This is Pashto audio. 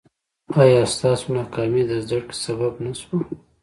ایا ستاسو ناکامي د زده کړې سبب نه شوه؟